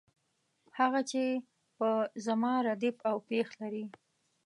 هغه چې په زما ردیف او پیښ لري.